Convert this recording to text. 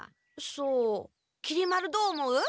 そうきり丸どう思う？